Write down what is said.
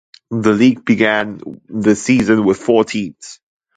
The league began the season with four teams.